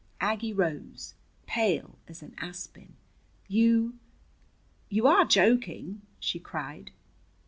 Aggie rose, pale as an aspen. "You you are joking!" she cried.